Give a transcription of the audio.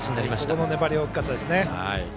ここの粘りは大きかったですね。